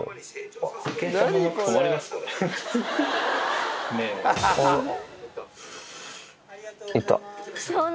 あっ、いった。